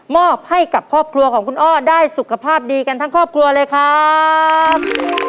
อบให้กับครอบครัวของคุณอ้อได้สุขภาพดีกันทั้งครอบครัวเลยครับ